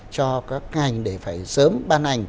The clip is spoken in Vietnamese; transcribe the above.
cho các ngành để phải sớm ban ảnh